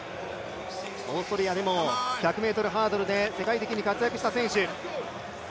オーストリアでも１００ｍハードルで世界的に活躍した選手。